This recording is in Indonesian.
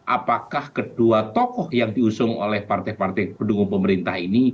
apakah kedua tokoh yang diusung oleh partai partai pendukung pemerintah ini